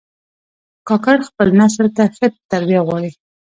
کاکړ خپل نسل ته ښه تربیه غواړي.